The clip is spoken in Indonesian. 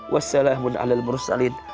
wa salamun ala al mursalin